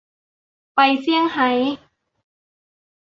ไปเซี่ยงไฮ้